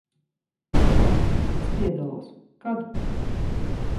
Labi, es piedalos. Kad?